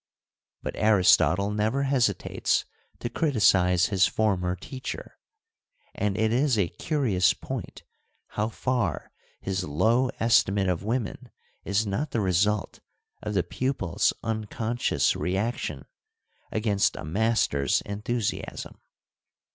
But Aristotle never hesitates to criticise his former teacher, and it is a curious point how far his low estimate of women is not the result of the pupil's unconscious reaction against a master's enthusiasm.